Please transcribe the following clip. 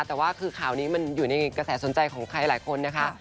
แต่ว่าคือข่าวนี้มันอยู่ในกระแสสนใจของใครหลายคนนะคะ